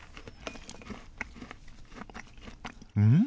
うん？